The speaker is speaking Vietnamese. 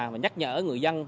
và nhắc nhở người dân